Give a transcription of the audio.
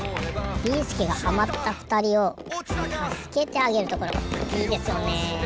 ビーすけがはまったふたりをたすけてあげるところいいですよね。